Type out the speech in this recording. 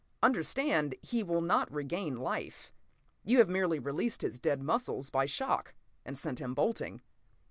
Understand, he will not regain life. You have merely released his dead muscles by shock, and sent him bolting."